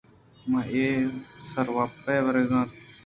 من یک سروپے وارتگ